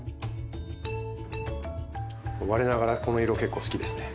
我ながらこの色結構好きですね。